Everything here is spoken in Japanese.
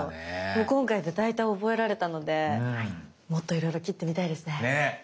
今回で大体覚えられたのでもっといろいろ切ってみたいですね。ね！